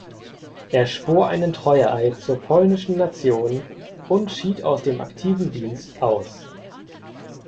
Er schwor einen Treueeid zur polnischen Nation und schied aus dem aktiven Dienst aus.